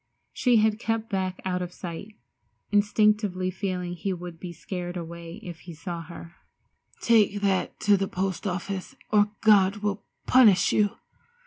She had kept back out of sight, instinctively feeling he would be scared away if he saw her. "Take that to the post office or God will punish you!"